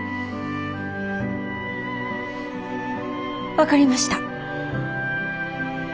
分かりました。